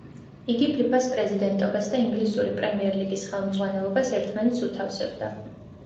იგი ფიფას პრეზიდენტობას და ინგლისური პრემიერ ლიგის ხემძღვანელობას ერთმანეთს უთავსებდა.